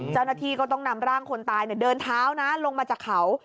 เจ้าหน้าที่ก็ต้องนำร่างคนตายเดินเท้านะลงมาจากเขา